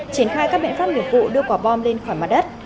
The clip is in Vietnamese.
triển khai các biện pháp nghiệp vụ đưa quả bom lên khỏi mặt đất